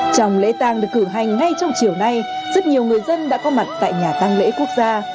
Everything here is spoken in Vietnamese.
trong lễ tàng được cử hành ngay trong chiều nay rất nhiều người dân đã có mặt tại nhà tăng lễ quốc gia